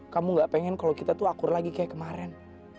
kamu gak pengen kalau kita tuh akur lagi kayak kemarin